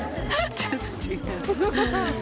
ちょっとちがう。